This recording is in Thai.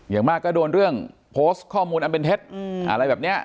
อย่างมากก็โดนเรื่องโพสต์ข้อมูลอันเป็นเท็จอะไรแบบนี้